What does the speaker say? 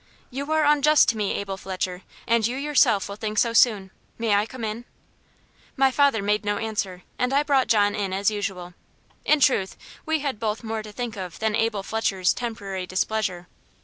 "You are unjust to me, Abel Fletcher; and you yourself will think so soon. May I come in?" My father made no answer, and I brought John in as usual. In truth, we had both more to think of than Abel Fletcher's temporary displeasure.